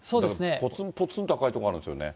ぽつんぽつんと赤い所あるんですよね。